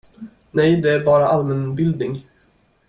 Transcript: Nej, det är bara allmänbildning.